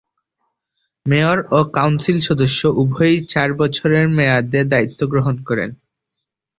Mayor ও council সদস্য উভয়ই চার বছরের মেয়াদে দায়িত্ব গ্রহণ করেন।